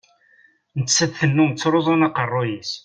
Nettat tennum ttruzum aqerruy-is.